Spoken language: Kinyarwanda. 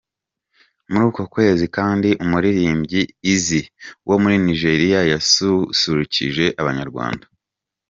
Muri uko kwezi kandi umuririmbyi Eazi wo muri Nigeria yasusurukije Abanyarwanda.